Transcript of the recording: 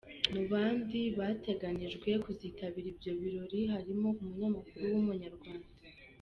Mu bandi bateganijwe kuzitabira ibyo birori harimo umunyamakuru w’Umunyarwanda